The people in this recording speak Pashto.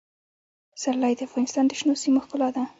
پسرلی د افغانستان د شنو سیمو ښکلا ده.